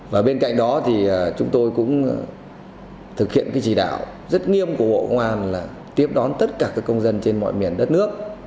và bên cạnh đó thì chúng tôi cũng thực hiện cái chỉ đạo rất nghiêm của bộ công an là tiếp đón tất cả các công dân trên mọi miền đất nước